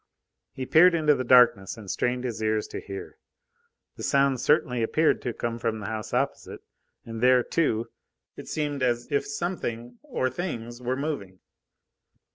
He peered into the darkness and strained his ears to hear. The sound certainly appeared to come from the house opposite, and there, too, it seemed as if something or things were moving.